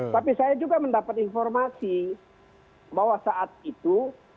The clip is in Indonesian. tapi saya juga mendapat informasi bahwa saat itu